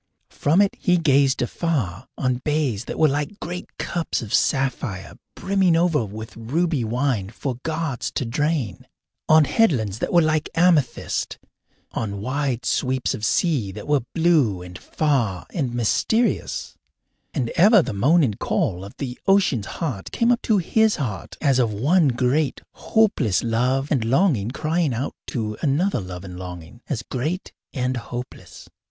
From it he gazed afar on bays that were like great cups of sapphire brimming over with ruby wine for gods to drain, on headlands that were like amethyst, on wide sweeps of sea that were blue and far and mysterious; and ever the moan and call of the ocean's heart came up to his heart as of one great, hopeless love and longing crying out to another love and longing, as great and hopeless.